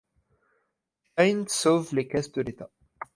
Stein sauve les caisses de l'État.